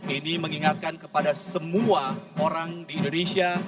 ini mengingatkan kepada semua orang di indonesia